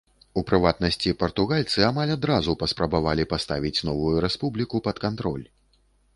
У прыватнасці, партугальцы амаль адразу паспрабавалі паставіць новую рэспубліку пад кантроль.